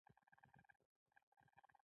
ټولنو وضعیت نقد تحلیل کړي